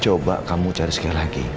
coba kamu cari sekali lagi